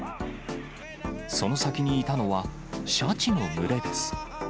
その先にいたのは、シャチの群れです。